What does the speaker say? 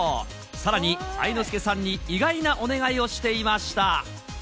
さらに愛之助さんに意外なお願いをしていました。